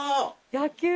野球。